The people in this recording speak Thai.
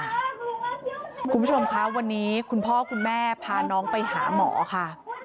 คุณผู้ชมคะวันนี้คุณพ่อคุณแม่พาน้องไปหาหมอค่ะ